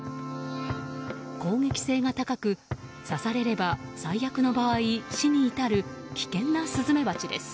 攻撃性が高く刺されれば最悪の場合、死に至る危険なスズメバチです。